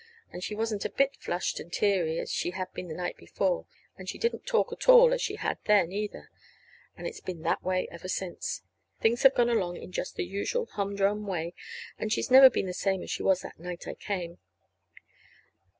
And she wasn't a bit flushed and teary, as she had been the night before, and she didn't talk at all as she had then, either. And it's been that way ever since. Things have gone along in just the usual humdrum way, and she's never been the same as she was that night I came.